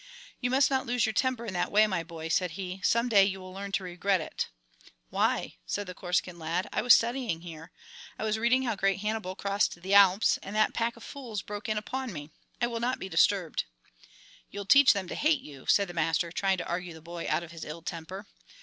"You must not lose your temper in that way, my boy," said he. "Some day you will learn to regret it." "Why?" said the Corsican lad. "I was studying here, I was reading how great Hannibal crossed the Alps, and that pack of fools broke in upon me. I will not be disturbed." "You'll teach them to hate you," said the master, trying to argue the boy out of his ill temper.